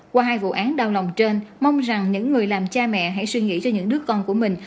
qua hai vụ án đau lòng trên mong rằng những người làm cha mẹ hãy suy nghĩ cho những đứa con của mình